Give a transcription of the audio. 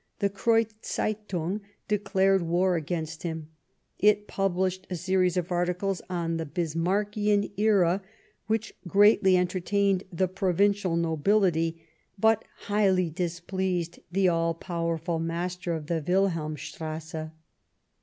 The Kreuz Zeitung declared war against him ; it published a series of articles on " the BfBmarckian Era," which greatly entertained the provincial nobility, but highly displeased the all powerful master of the Wilhelmstrasse.